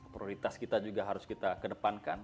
prioritas kita juga harus kita kedepankan